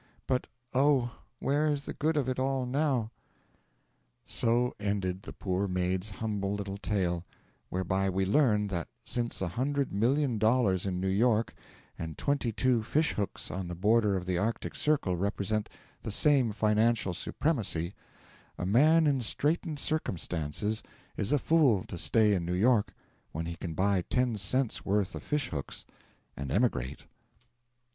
But oh, where is the good of it all now!' So ended the poor maid's humble little tale whereby we learn that since a hundred million dollars in New York and twenty two fish hooks on the border of the Arctic Circle represent the same financial supremacy, a man in straitened circumstances is a fool to stay in New York when he can buy ten cents' worth of fish hooks and emigrate.